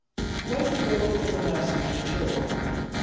"When do they look for the master's return?"